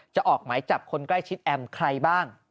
ออกหมายจับคนใกล้ชิดแอมใครบ้าง